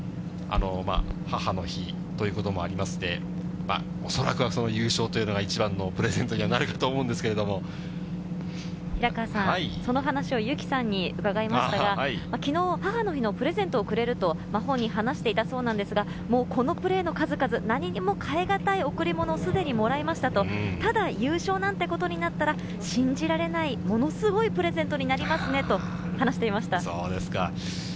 母の日ということもありまして、恐らくはその優勝というのが一番のプレゼントにはなるかと思うん平川さん、その話をゆきさんに伺いましたが、きのう、母の日のプレゼントをくれると、本人話していたそうなんですが、もうこのプレーの数々、何にも代えがたい贈り物をすでにもらいましたと、ただ、優勝なんてことになったら、信じられない、ものすごいプレゼントになりますそうですか。